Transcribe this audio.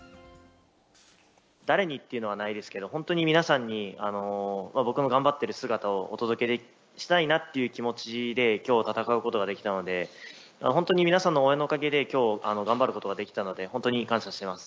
誰にっていうのはないですけど、本当に皆さんに、僕の頑張ってる姿をお届けしたいなっていう気持ちで、きょう戦うことができたので、本当に皆さんの応援のおかげできょう、頑張ることができたので、本当に感謝しています。